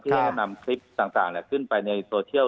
ที่ให้แนะนำคลิปต่างขึ้นไปในโซเชียล